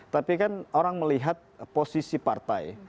tapi kan orang melihat posisi partai